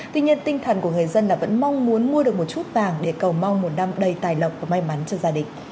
tuy nhiên tinh thần của người dân là vẫn mong muốn mua được một chút vàng để cầu mong một năm đầy tài lộc và may mắn cho gia đình